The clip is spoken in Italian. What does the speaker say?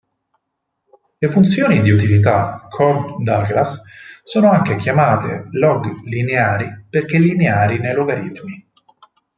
Le funzioni di utilità Cobb-Douglas sono anche chiamate "log-lineari", perché lineari nei logaritmi.